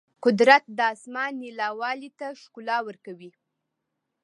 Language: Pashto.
قدرت د اسمان نیلاوالي ته ښکلا ورکوي.